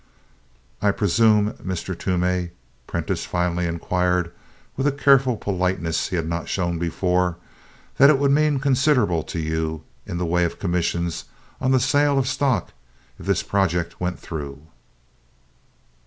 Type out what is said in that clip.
"I presume, Mr. Toomey," Prentiss finally inquired with a careful politeness he had not shown before, "that it would mean considerable to you in the way of commissions on the sale of stock if this project went through?"